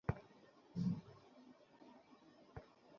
আরে, তারান এর এরকম পুরানো ঐতিহাসিক জায়গা যাওয়ার খুব শখ।